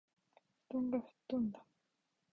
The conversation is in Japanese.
布団が吹っ飛んだ。（まじで）